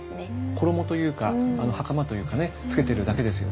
衣というかはかまというかねつけてるだけですよね。